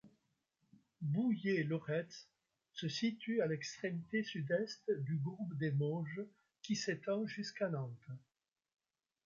Bouillé-Loretz se situe à l'extrémité sud-est du groupe des Mauges qui s'étend jusqu'à Nantes.